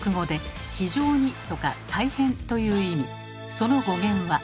その語源は。